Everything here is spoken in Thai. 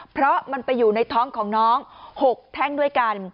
เพราะมันไปอยู่ในท้องของน้อง๖แท่งด้วยกัน